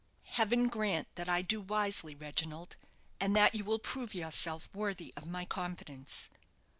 Heaven grant that I do wisely, Reginald, and that you will prove yourself worthy of my confidence."